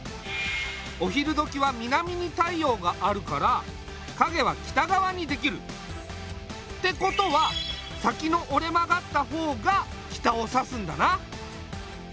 お昼どきは南に太陽があるからかげは北がわにできる。ってことは先のおれ曲がった方が北を指すんだな。